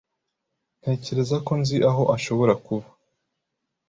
Ntekereza ko nzi aho ashobora kuba.